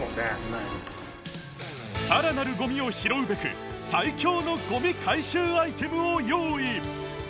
さらなるゴミを拾うべく最強のゴミ回収アイテムを用意